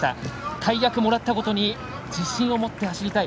大役をもらったことに自信を持って走りたい。